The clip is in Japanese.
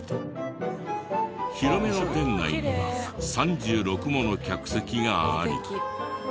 広めの店内には３６もの客席があり。